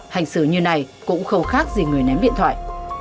hành xử như này cũng không khác gì người ném điện thoại